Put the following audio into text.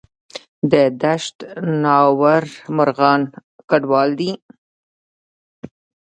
د دشت ناور مرغان کډوال دي